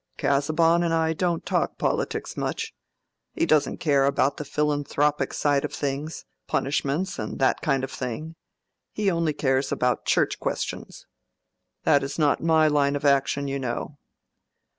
"Casaubon and I don't talk politics much. He doesn't care much about the philanthropic side of things; punishments, and that kind of thing. He only cares about Church questions. That is not my line of action, you know."